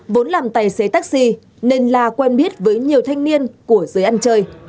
vốn làm tài xế taxi nên la quen biết với nhiều thanh niên của giới ăn chơi